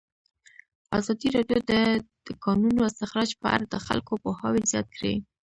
ازادي راډیو د د کانونو استخراج په اړه د خلکو پوهاوی زیات کړی.